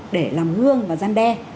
để làm hương và gian đe